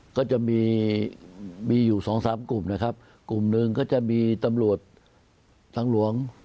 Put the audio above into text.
ก็จะมีมีอยู่สองสามกลุ่มนะครับกลุ่มหนึ่งก็จะมีตำรวจทางหลวง